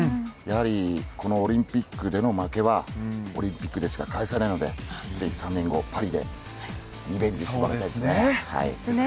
このオリンピックでの負けはオリンピックでしか返せないのでぜひ３年後、パリでリベンジしてもらいたいですね。